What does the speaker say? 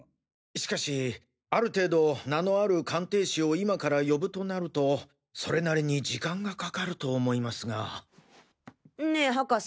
しかしある程度名のある鑑定士を今から呼ぶとなるとそれなりに時間がかかると思いますが。ねぇ博士！